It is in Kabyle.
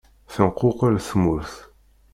Tenquqel tmurt.